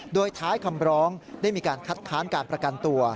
โดยท้ายคำร้องได้มีการคัดค้านการประกันตัว